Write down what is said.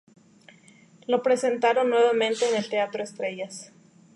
Lo presentaron nuevamente en el Teatro Estrellas.